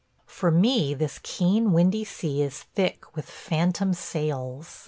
For me this keen windy sea is thick with phantom sails